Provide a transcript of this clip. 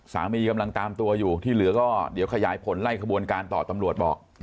สามีกำลังตามตัวอยู่ที่เหลือก็เดี๋ยวขยายผลไล่ขบวนการต่อตำรวจบอก